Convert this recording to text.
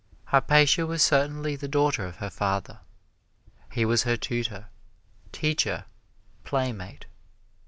Hypatia was certainly the daughter of her father. He was her tutor, teacher, playmate.